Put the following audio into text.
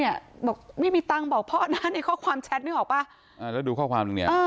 เอาง่ายดูข้อความนึงเนี่ย